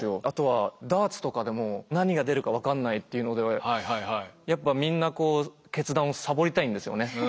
あとはダーツとかでも何が出るか分かんないっていうのではやっぱみんなこう決断をサボりたいんですよね。